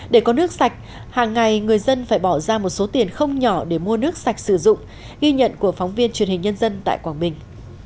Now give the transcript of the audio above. để có nước sạch hàng ngày người dân phải bỏ ra một số tiền không nhỏ để mua nước sạch sử dụng ghi nhận của phóng viên truyền hình nhân dân tại quảng bình